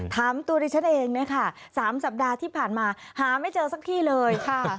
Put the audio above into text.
ถามตัวดิฉันเองนะคะ๓สัปดาห์ที่ผ่านมาหาไม่เจอสักที่เลยค่ะ